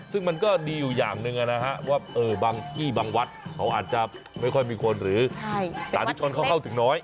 ซึ่งมันก็ดีอยู่อย่างหนึ่งว่าบางที่บางวัดเขาอาจจะไม่ค่อยมีคนหรือสาธุชนเขาเข้าถึงน้อย